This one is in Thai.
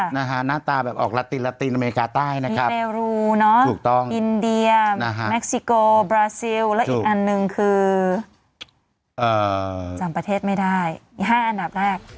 นะอาหนาตาแบบออกลาตินลาตินอเมริกาใต้นะครับ